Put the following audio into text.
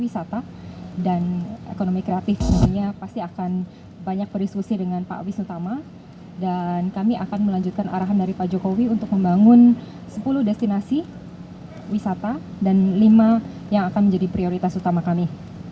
selanjutnya pasti akan banyak berdiskusi dengan pak wis utama dan kami akan melanjutkan arahan dari pak jokowi untuk membangun sepuluh destinasi wisata dan lima yang akan menjadi prioritas utama kami